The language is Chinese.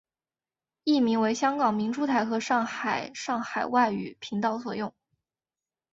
译名为香港明珠台和上海上海外语频道所用。